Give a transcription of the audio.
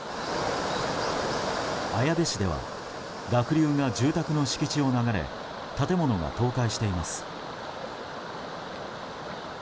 綾部市では濁流が住宅の敷地を流れ建物が倒壊しています。